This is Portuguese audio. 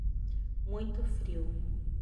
Muito frio